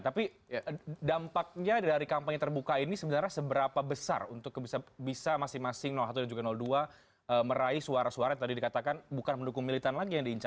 tapi dampaknya dari kampanye terbuka ini sebenarnya seberapa besar untuk bisa masing masing satu dan juga dua meraih suara suara yang tadi dikatakan bukan mendukung militan lagi yang diincar